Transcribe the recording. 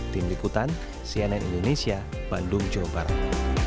tim liputan cnn indonesia bandung jawa barat